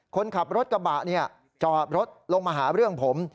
คนขับรถกระบะจอดรถลงมาหาเรื่องผม